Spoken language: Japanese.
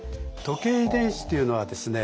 時計遺伝子というのはですね